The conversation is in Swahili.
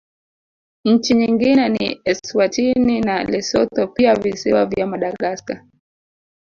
Nchi nyingine ni Eswatini na Lesotho pia Visiwa vya Madagaskar